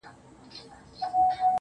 o بيا تس ته سپكاوى كوي بدرنگه ككــرۍ.